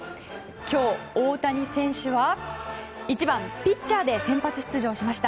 今日、大谷選手は１番、ピッチャーで先発出場しました。